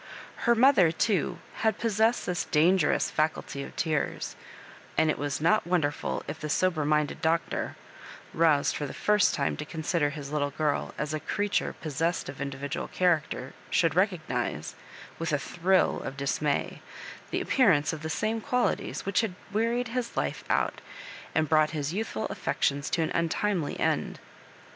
Her mother, too, had possessed this dan gerous faculty of tears ; and it was not wonder ful if the sober minded Doctor, roused for the first time to consider his little girl as a creature pos sessed of individual character, should recognise, with a thrill of dismay, the appearance of the same qualities which had wearied his life out, and brought his youthful affections to an untimely end.